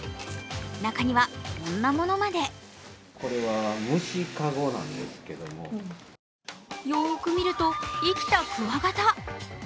中には、こんなものまでよーく見ると、生きたくわがた。